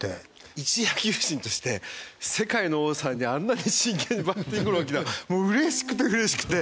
いち野球人として世界の王さんにあんなに真剣にバッティング論聞けたの嬉しくて嬉しくて。